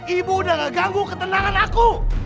ibu udah nggak ganggu ketenangan aku